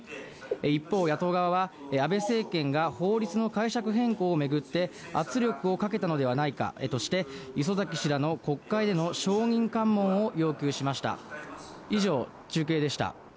一方、野党側は、安倍政権が法律の解釈変更を巡って圧力をかけたのではないかとして、礒崎氏らの国会での証人喚問を要求しました。